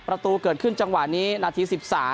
ประตูเกิดขึ้นจังหวะนี้นาที๑๓